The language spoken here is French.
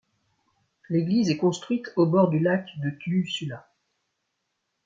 L'église est construite au bord du lac de Tuusula.